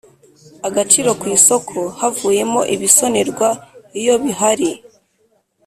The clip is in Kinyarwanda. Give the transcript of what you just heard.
Agaciro ku isoko havuyemo ibisonerwa iyo bihari